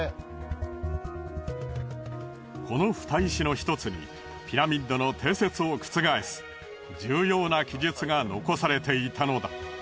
このふた石のひとつにピラミッドの定説を覆す重要な記述が残されていたのだ。